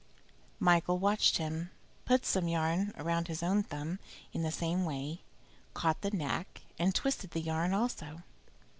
Michael watched him, put some yarn round his own thumb in the same way, caught the knack, and twisted the yarn also.